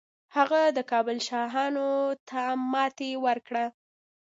هغه د کابل شاهانو ته ماتې ورکړه